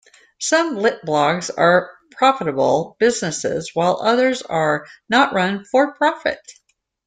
Some litblogs are profitable businesses while others are not run for profit.